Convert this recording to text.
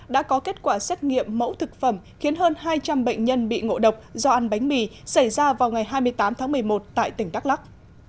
đã có kết quả xét nghiệm mẫu thực phẩm khiến hơn hai trăm linh bệnh nhân bị ngộ độc do ăn bánh mì xảy ra vào ngày hai mươi tám tháng một mươi một tại tỉnh đắk lắc